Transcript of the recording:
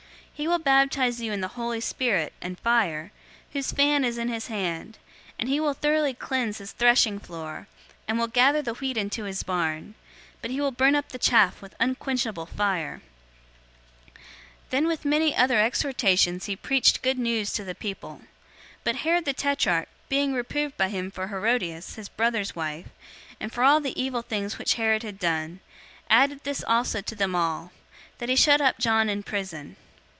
He will baptize you in the Holy Spirit and fire, 003:017 whose fan is in his hand, and he will thoroughly cleanse his threshing floor, and will gather the wheat into his barn; but he will burn up the chaff with unquenchable fire." 003:018 Then with many other exhortations he preached good news to the people, 003:019 but Herod the tetrarch, being reproved by him for Herodias, his brother's{TR reads "brother Philip's" instead of "brother's"} wife, and for all the evil things which Herod had done, 003:020 added this also to them all, that he shut up John in prison.